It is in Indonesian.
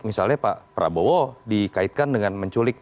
misalnya pak prabowo dikaitkan dengan menculik